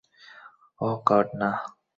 ওহ, god, না।